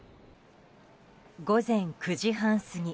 午前９時半過ぎ。